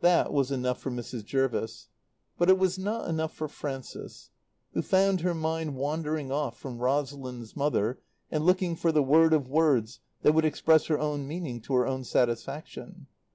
That was enough for Mrs. Jervis. But it was not enough for Frances, who found her mind wandering off from Rosalind's mother and looking for the word of words that would express her own meaning to her own satisfaction.